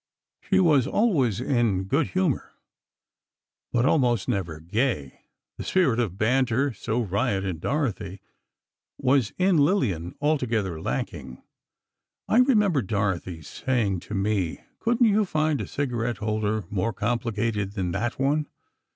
She was always in quiet good humor, but almost never gay. The spirit of banter, so riot in Dorothy, was in Lillian altogether lacking. I remember Dorothy saying to me: "Couldn't you find a cigarette holder more complicated than that one?"